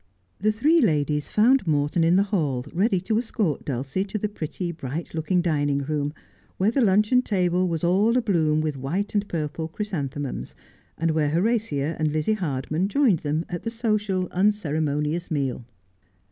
The three ladies found Morton in the hall ready to escort Dulcie to the pretty, bright looking dining room, where the luncheon table was all abloom with white and purple chrysan themums, and where Horatia and Lizzie Hardman joined them at the social, unceremonious meal.